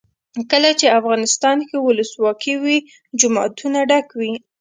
کله چې افغانستان کې ولسواکي وي جوماتونه ډک وي.